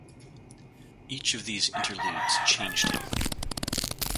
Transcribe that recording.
Each of these interludes changed him.